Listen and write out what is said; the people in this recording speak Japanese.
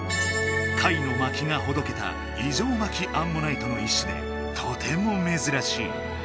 貝の巻きがほどけた異常巻きアンモナイトの一種でとてもめずらしい。